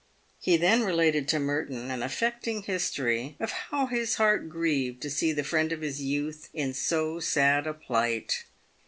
He then related to Merton an affecting history of how his heart grieved to see the friend of his youth in so sad a plight.